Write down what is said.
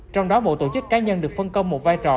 trong đó một tổ chức cá nhân được phân công một vai trò